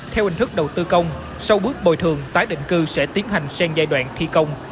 theo hình thức đầu tư công sau bước bồi thường tái định cư sẽ tiến hành sang giai đoạn thi công